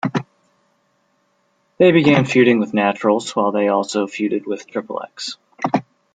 They began feuding with Naturals while they also feuded with Triple X.